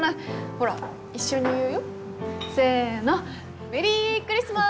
ほら一緒に言うよせのメリークリスマス！